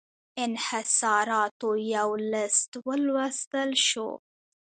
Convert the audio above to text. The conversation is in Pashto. انحصاراتو یو لېست ولوستل شو.